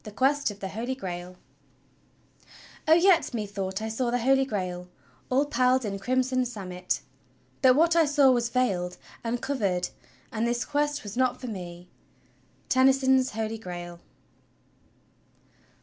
X Quest of l^e U'fol^ (Brail " 'O, yet methought I saw the Holy Grail, All pall'd in crimson samite, but what I saw was veil'd And cover'd; and this quest was not for me.'" Tennyson's "Holy Grail."